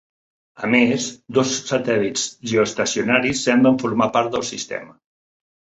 A més, dos satèl·lits geoestacionaris semblen formar part del sistema.